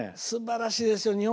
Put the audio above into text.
すばらしいですよ。